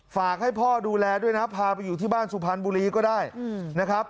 ฝากให้พ่อดูแลด้วยนะพาไปอยู่ที่บ้านสุพรรณบุรีก็ได้นะครับ